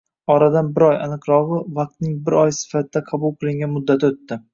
Oradan bir oy, aniqrog‘i, vaqtning bir oy sifatida qabul qilingan muddati o‘tdi.